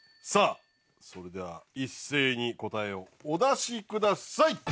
さあそれでは一斉に答えをお出しください！